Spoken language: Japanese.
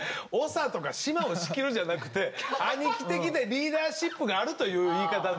「長」とか「シマを仕切る」じゃなくて兄貴的でリーダーシップがあるという言い方で。